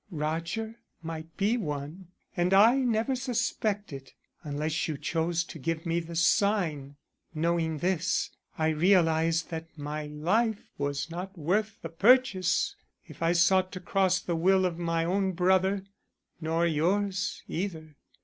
You, Roger, might be one, and I never suspect it, unless you chose to give me the sign. Knowing this, I realized that my life was not worth the purchase if I sought to cross the will of my own brother. Nor yours, either.